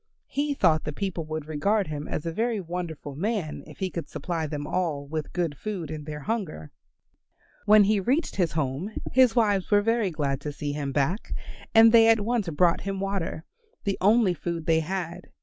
He thought the people would regard him as a very wonderful man if he could supply them all with good food in their hunger. When he reached his home his wives were very glad to see him back, and they at once brought him water, the only food they had.